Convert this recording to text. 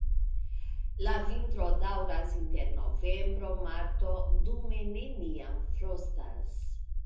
La vintro daŭras inter novembro-marto, dume neniam frostas.